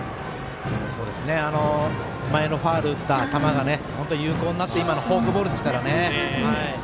前のファウル打った球が本当に有効になって今のフォークボールですからね。